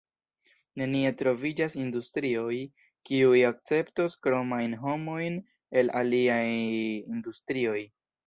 Nenie troviĝas industrioj, kiuj akceptos kromajn homojn el aliaj industrioj.